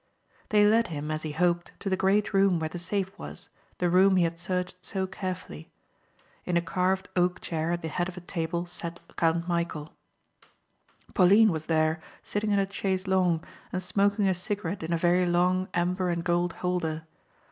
They led him, as he hoped, to the great room where the safe was, the room he had searched so carefully. In a carved oak chair at the head of a table sat Count Michæl. Pauline was there sitting in a chaise longue smoking a cigarette in a very long amber and gold holder.